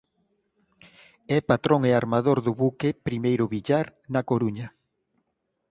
É patrón e armador do buque "Primero Villar" na Coruña.